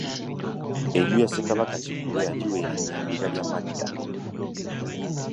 Enju ya Ssekabaka Kikulwe yagiwa elinnya Ndigalyamadda.